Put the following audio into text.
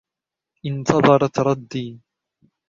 انتظرتْ ردي.